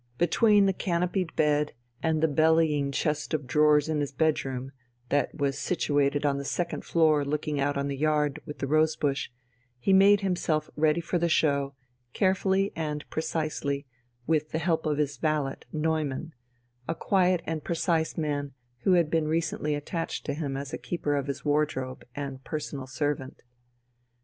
Between the canopied bed and the bellying chest of drawers in his bedroom, that was situated on the second floor looking out on the yard with the rose bush, he made himself ready for the show, carefully and precisely, with the help of his valet, Neumann, a quiet and precise man who had been recently attached to him as keeper of his wardrobe and personal servant.